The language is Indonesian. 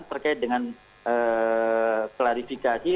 terkait dengan klarifikasi